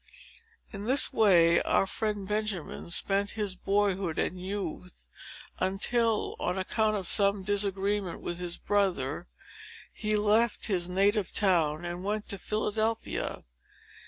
In this way our friend Benjamin spent his boyhood and youth, until, on account of some disagreement with his brother, he left his native town and went to Philadelphia.